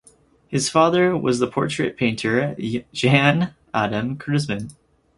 His father was the portrait painter Jan Adam Kruseman.